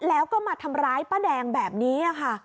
แล้วก็มาทำร้ายป้าแดงแบบนี้ค่ะ